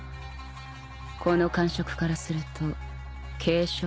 この感触からすると軽傷だね